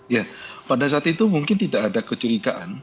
ya pada saat itu mungkin tidak ada kecurigaan